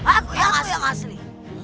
aku yang asli